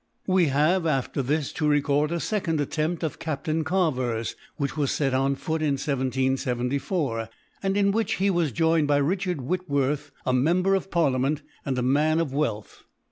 We have, after this, to record a second attempt of Captain Carver's, which was set on foot in 1774, and in which he was joined by Richard Whitworth, a member of Parliament, and a man of wealth.